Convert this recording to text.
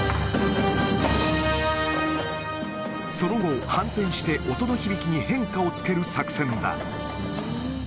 その後、反転して音の響きに変化をつける作戦だ。